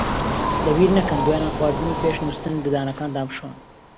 لەبیر نەکەن دوای نان خواردن و پێش نووستن ددانەکانتان بشۆن.